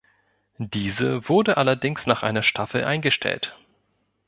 Diese wurde allerdings nach einer Staffel eingestellt.